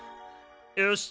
よし。